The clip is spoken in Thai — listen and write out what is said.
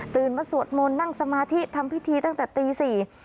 มาสวดมนต์นั่งสมาธิทำพิธีตั้งแต่ตีสี่